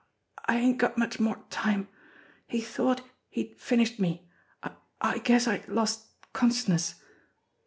I I ain't got much more time. He thought he'd finished me. I I guess I lost consciousness.